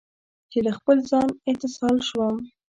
چې له خپل ځان، اتصال شوم